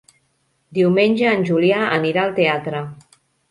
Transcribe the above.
Diumenge en Julià anirà al teatre.